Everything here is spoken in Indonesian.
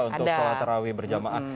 ada sholat taraweh berjamaah